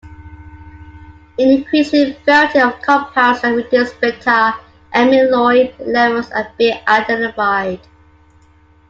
An increasing variety of compounds that reduce beta amyloid levels are being identified.